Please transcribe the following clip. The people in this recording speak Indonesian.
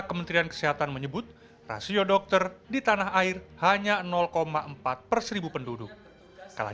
kementerian kesehatan menyebut rasio dokter di tanah air hanya empat perseribu penduduk skala